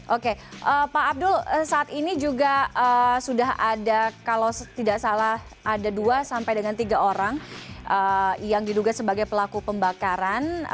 oke pak abdul saat ini juga sudah ada kalau tidak salah ada dua sampai dengan tiga orang yang diduga sebagai pelaku pembakaran